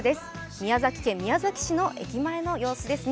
宮崎県宮崎市の駅前の様子ですね。